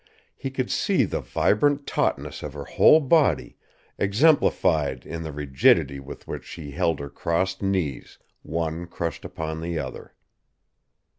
He could see the vibrant tautness of her whole body, exemplified in the rigidity with which she held her crossed knees, one crushed upon the other.